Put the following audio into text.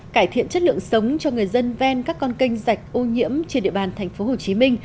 cải thiện chất lượng sống cho người dân ven các con kênh rạch ô nhiễm trên địa bàn tp hcm